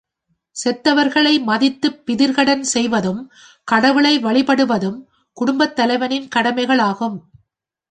செத்தவர்களை மதித்துப் பிதிர்க்கடன் செய்வதும், கடவுளை வழிபடுவதும் குடும்புத் தலைவனின் கடமைகள் ஆகும்.